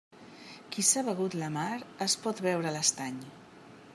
Qui s'ha begut la mar, es pot beure l'estany.